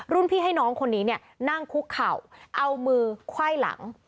รุ่นพี่ให้น้องคนนี้นั่งคุกเข่าเอามือไขว้หลัง